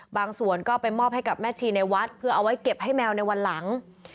ส่วนก็ไปมอบให้กับแม่ชีในวัดเพื่อเอาไว้เก็บให้แมวในวันหลัง